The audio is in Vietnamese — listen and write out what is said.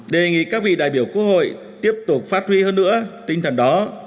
đề nghị các vị đại biểu quốc hội tiếp tục phát huy hơn nữa tinh thần đó